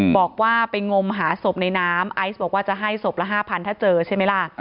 บอกว่าไปงมหาศพในน้ำไอซ์บอกว่าจะให้ศพละ๕๐๐ถ้าเจอใช่ไหมล่ะ